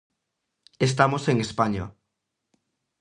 Estamos en España.